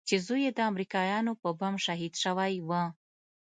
چې زوى يې د امريکايانو په بم شهيد سوى و.